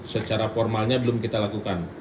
secara formalnya belum kita lakukan